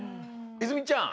泉ちゃん。